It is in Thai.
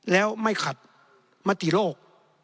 แล้วไม่ขัดมติโลก